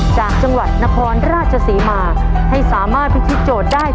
จากจังหวัดนครราชศรีมาให้สามารถพิธีโจทย์ได้